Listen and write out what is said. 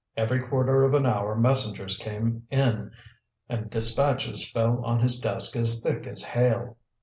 Every quarter of an hour messengers came in, and dispatches fell on his desk as thick as hail.